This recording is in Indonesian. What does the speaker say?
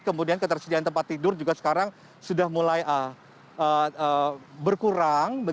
kemudian ketersediaan tempat tidur juga sekarang sudah mulai berkurang